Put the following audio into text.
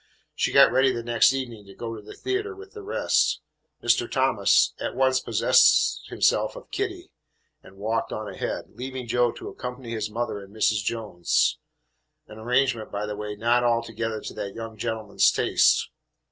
She got ready the next evening to go to the theatre with the rest. Mr. Thomas at once possessed himself of Kitty and walked on ahead, leaving Joe to accompany his mother and Mrs. Jones, an arrangement, by the way, not altogether to that young gentleman's taste.